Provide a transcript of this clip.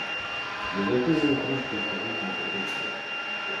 Я закуриваю трубку и сажусь на кушетку.